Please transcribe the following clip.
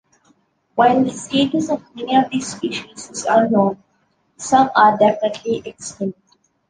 While the status of many of these species is unknown, some are definitely extinct.